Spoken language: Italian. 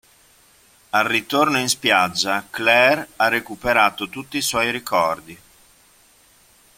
Al ritorno in spiaggia Claire ha recuperato tutti i suoi ricordi.